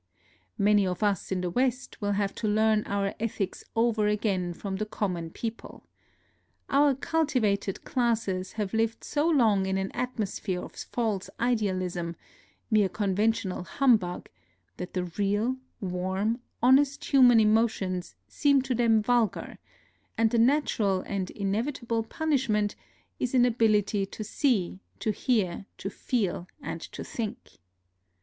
Many of us in the West will have to learn our ethics over again from the common people. Our cultivated classes have 80 NOTES OF A TRIP TO KYOTO lived so long in an atmosphere of false ideals ism, mere conventional humbug, that the real, warm, honest human emotions seem to them vulgar; and the natural and inevitable pun ishment is inability to see, to hear, to feel, and to think.